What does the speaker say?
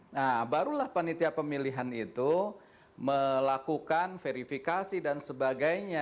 nah barulah panitia pemilihan itu melakukan verifikasi dan sebagainya